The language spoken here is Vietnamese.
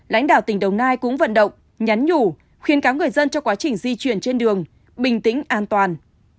lãnh đạo tỉnh đồng nai cũng vận động nhắn nhủ khuyên cáo người dân cho quá trình di chuyển trên đường bình tĩnh an toàn